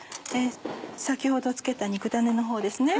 先ほど付けた肉だねのほうですね。